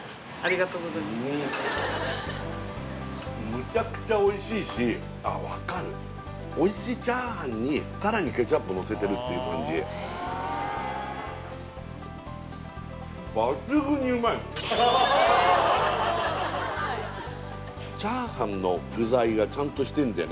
むちゃくちゃおいしいしあっ分かるおいしいチャーハンにさらにケチャップのせてるっていう感じチャーハンの具材がちゃんとしてんだよね